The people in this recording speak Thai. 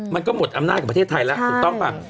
มันก็หมดอำนาจของประเทศไทยแล้วถูกต้องป่ะ